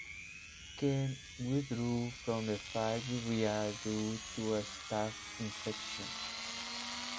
Ken withdrew from the fight with Rea due to a staph infection.